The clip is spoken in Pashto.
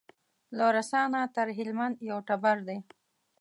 له رسا نه تر هلمند یو ټبر دی